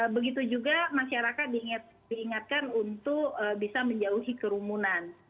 begitu juga masyarakat diingatkan untuk bisa menjauhi kerumunan